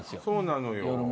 そうなのよ。